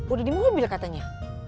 udah di mobil katanya